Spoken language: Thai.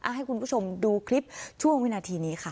ให้คุณผู้ชมดูคลิปช่วงวินาทีนี้ค่ะ